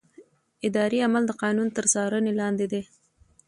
اداري عمل د قانون تر څار لاندې دی.